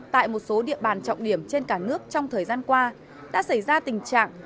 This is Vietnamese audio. tại một số địa bàn trọng điểm trên cả nước trong thời gian qua đã xảy ra tình trạng